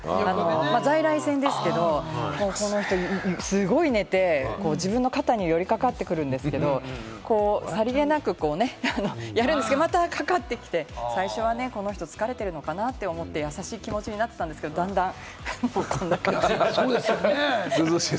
在来線ですけど、すごい寝て、自分の肩に寄りかかってくるんですけど、さりげなくやるんですけれども、またかかってきて、最初はこの人、疲れてるのかな？って思って、優しい気持ちになったんですけど、段々こんな感じで。